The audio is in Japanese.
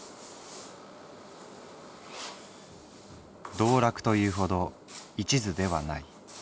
「道楽と言うほど一途ではない。